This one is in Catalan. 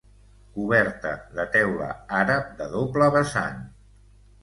Coberta de teula àrab de doble vessant.